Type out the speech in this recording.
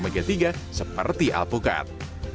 mengandung omega tiga seperti alpukat